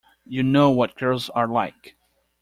You know what girls are like.